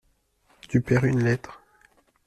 Tu perds une lettre.